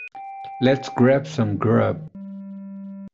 Let's grab some grub.